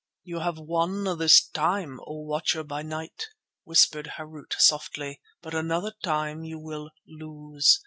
"You have won this time, O Watcher by Night," whispered Harût softly, "but another time you will lose.